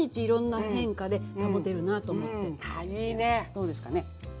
どうですかね？